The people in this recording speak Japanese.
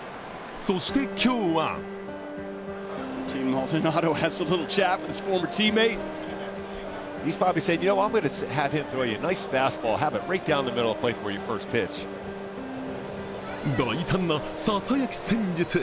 そして今日は大胆なささやき戦術。